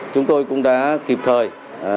chúng tôi cũng đã kịp thời